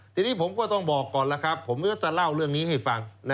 ตอนนี้ผมก็ต้องบอกก่อนเพราะจะเล่าเรื่องนี้ให้ฟัง